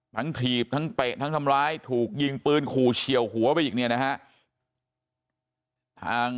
ถีบทั้งเตะทั้งทำร้ายถูกยิงปืนขู่เฉียวหัวไปอีกเนี่ยนะฮะ